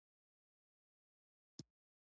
پیاله د هوسا ژوند نښه ده.